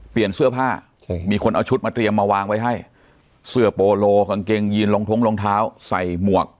เสื้อผ้ามีคนเอาชุดมาเตรียมมาวางไว้ให้เสื้อโปโลกางเกงยีนรองท้องรองเท้าใส่หมวก